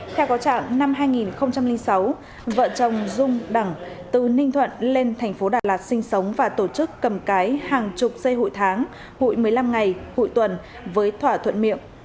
theo có trạng năm hai nghìn sáu vợ chồng dung đẳng từ ninh thuận lên thành phố đà lạt sinh sống và tổ chức cầm cái hàng chục dây hụi tháng hụi một mươi năm ngày hội tuần với thỏa thuận miệng